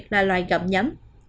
là loài gậm nhấm